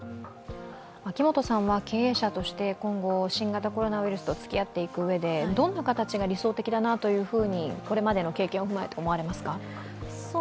秋元さんは経営者として今後、新型コロナウイルスと付き合っていくうえでどんな形が理想的だなとこれまでの経験を踏まえて思われますか？